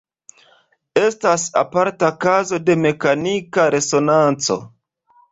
Estas aparta kazo de mekanika resonanco.